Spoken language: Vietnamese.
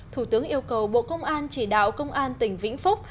thủ tướng yêu cầu bộ công an chỉ đạo công an tỉnh vĩnh phúc